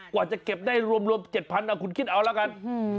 กว่าจะเก็บได้รวม๗๐๐คุณคิดเอาละกัน